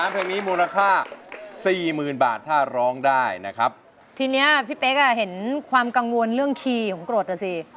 เหมือนความกังวลเรื่องคีย์ของกรดสิ